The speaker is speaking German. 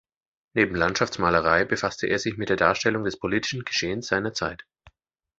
Neben Landschaftsmalerei befasste er sich mit der Darstellung des politischen Geschehens seiner Zeit.